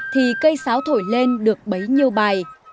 thì cây sáo thổi lên được bấy nhiêu bài